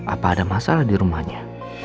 apa ada masalah di rumahnya